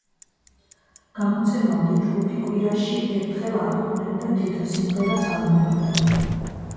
გამოცემამდე ჯგუფი კვირაში ერთხელ აქვეყნებდა თითო სიმღერას ალბომიდან.